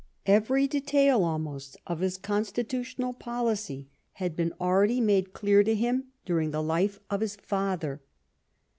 Every detail almost of his constitutional policy had been already made clear to him during the life of his father.